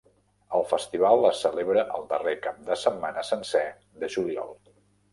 El festival es celebra el darrer cap de setmana sencer de juliol.